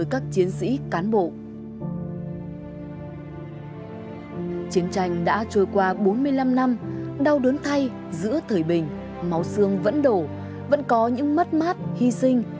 chiến tranh đã trôi qua bốn mươi năm năm đau đớn thay giữa thời bình máu xương vẫn đổ vẫn có những mất mát hy sinh